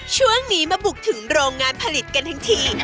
ช่วงนี้มาบุกถึงโรงงานผลิตกันทั้งที